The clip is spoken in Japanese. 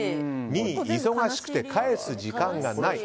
２位、忙しくて返す時間がない。